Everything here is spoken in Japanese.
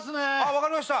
分かりました。